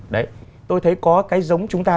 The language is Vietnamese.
đấy tôi thấy có cái giống chúng ta